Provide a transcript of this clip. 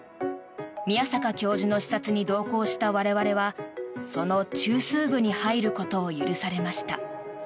宮坂教授の視察に同行した我々はその中枢部に入ることを許されました。